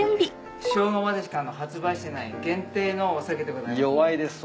塩竈でしか発売してない限定のお酒でございます。